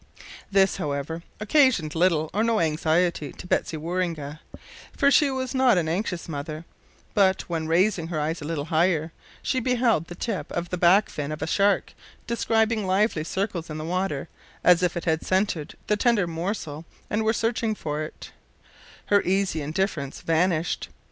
This, however, occasioned little or no anxiety to Betsy Waroonga, for she was not an anxious mother; but when, raising her eyes a little higher, she beheld the tip of the back fin of a shark describing lively circles in the water as if it had scented the tender morsel and were searching for it, her easy indifference vanished.